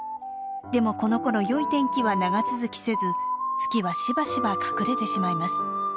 でもこのころよい天気は長続きせず月はしばしば隠れてしまいます。